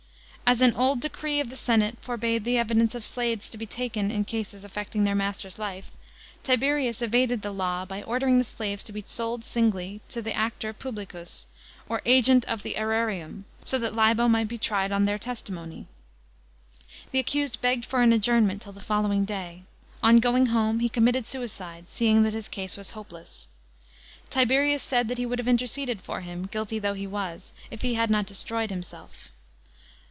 As r.n old decree of the senate iorbade the evidence of slaves to be taken in cr.ses affecting their master's life, Tiberius evaded the law by ordering the suves to be sold singly to the actor publicuz, or age:.t of tl.e serarium, so that Liho mi^ht he tried on their testimony. The acjused bagged for an adjournment till the following day. On going hrme, he committed suicide, seeing that his case was hopeless. Tiberius said that he would have interceded for him, guilty though he was, if he had not destroyed himself.